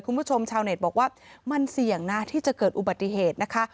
คุณผู้ชมชาวเน็ตบอกว่ามันเสี่ยงนะที่จะเกิดอุบัติเหตุนะคะ